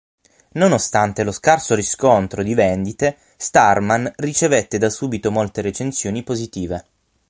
Nonostante lo scarso riscontro di vendite, "Starman" ricevette da subito molte recensioni positive.